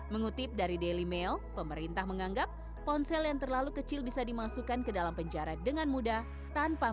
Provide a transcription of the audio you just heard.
mengutip dari daily mail pemerintah menganggap ponsel yang terlalu kecil bisa dimasukkan ke dalam penjara dengan mudah tanpa masalah